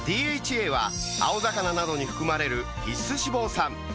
ＤＨＡは青魚などに含まれる必須脂肪酸